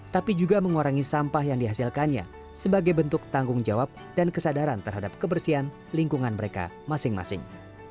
tapi juga mengurangi sampah yang dihasilkannya sebagai bentuk tanggung jawab dan kesadaran terhadap kebersihan lingkungan mereka masing masing